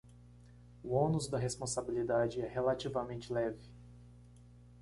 O ônus da responsabilidade é relativamente leve